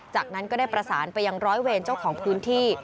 จากนั้นก็ได้ประสานไปยังร้อยเวรเจ้าของพื้นที่